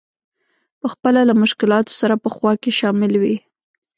په خپله له مشکلاتو سره په خوا کې شامل وي.